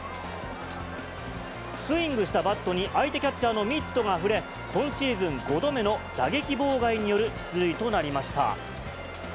スイングしたバットに相手キャッチャーのミットが触れ、今シーズン５度目の打撃妨害による出塁となりました。